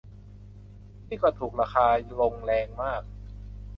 นี่ก็ถูก ราคาลงแรงมาก